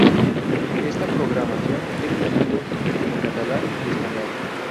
Esta programación es bilingüe, en catalán y español.